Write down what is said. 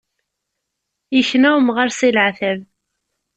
Yekna umɣar si leɛtab.